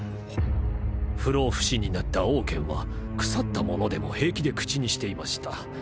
不老不死になったオウケンは腐ったものでも平気で口にしていました。